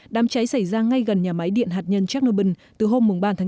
đám cháy xảy ra ngay gần nhà máy điện hạt nhân chernobyl từ hôm ba tháng bốn